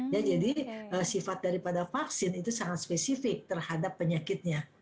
ya jadi sifat daripada vaksin itu sangat spesifik terhadap penyakitnya